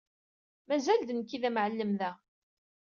Mazal d nekk i d amɛellem da.